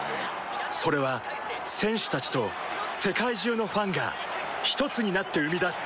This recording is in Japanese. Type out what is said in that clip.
それは選手たちと世界中のファンがひとつになって生み出す